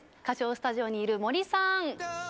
歌唱スタジオにいる森さん！